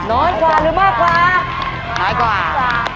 น้อยกว่าหรือมากกว่าน้อยกว่า